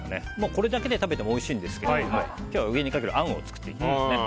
このままで食べてもおいしいんですけど今日は上にかけるあんを作っていきます。